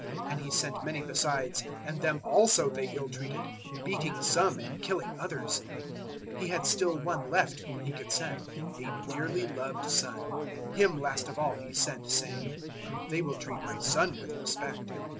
And he sent many besides, and them also they ill treated, beating some and killing others. 012:006 He had still one left whom he could send, a dearly loved son: him last of all he sent, saying, "'They will treat my son with respect.'